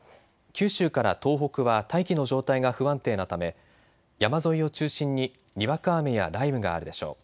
九州から東北は大気の状態が不安定なため山沿いを中心ににわか雨や雷雨があるでしょう。